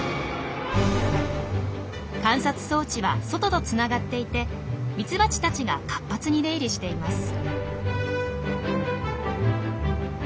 観察装置は外とつながっていてミツバチたちが活発に出入りしています。